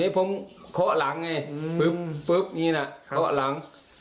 ผมเคาะหลังไงปุ๊บนี้นะเคาะหลัง